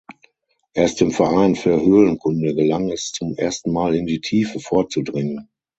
Erst dem Verein für Höhlenkunde gelang es zum ersten Mal in die Tiefe vorzudringen.